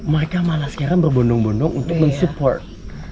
mereka malah sekarang berbondong bondong untuk mensupport